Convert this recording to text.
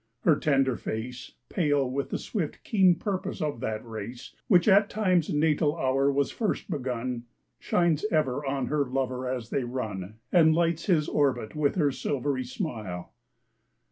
Her tender face, Pale with the swift, keen purpose of that race Which at Time's natal hour was first begun, Shines ever on her lover as they run And lights his orbit with her silvery smile.